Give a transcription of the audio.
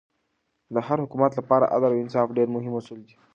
د هر حکومت له پاره عدل او انصاف ډېر مهم اصول دي.